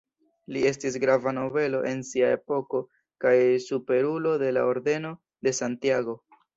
Li estis grava nobelo en sia epoko kaj Superulo de la Ordeno de Santiago.